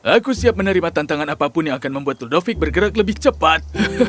aku siap menerima tantangan apapun yang akan membuat ludovic bergerak lebih cepat